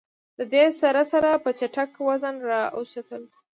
د دې سره سره پۀ جټکه وزن را اوچتول